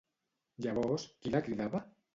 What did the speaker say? Llavors qui la cridava?